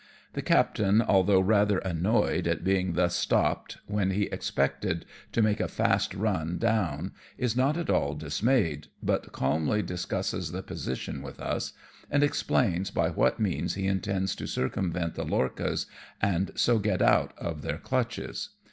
The captain, although rather annoyed at being thus stopped, when he ex pected to make a fast run down, is not at all dismayed, but calmly discusses the position with us, and explains by what means he intends to circumvent the lorchas and so get out of their clutches.